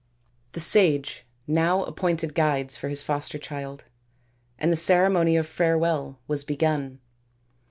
The sage now appointed guides for his foster child, and the ceremony of farewell was begun.